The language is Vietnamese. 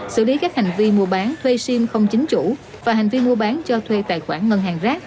xử lý các hành vi mua bán thuê sim không chính chủ và hành vi mua bán cho thuê tài khoản ngân hàng rác